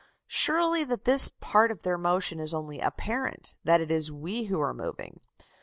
Surely that this part of their motion is only apparent that it is we who are moving.